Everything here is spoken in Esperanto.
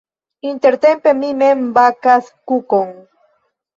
Intertempe mi mem bakas kukon.